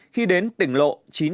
khi đến tỉnh lộ chín trăm linh bảy